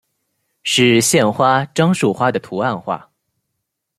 是县花樟树花的图案化。